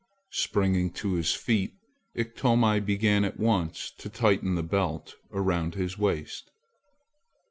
Springing to his feet, Iktomi began at once to tighten the belt about his waist.